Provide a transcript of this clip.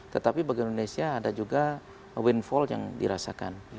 tetapi bagi indonesia ada juga windfall yang dirasakan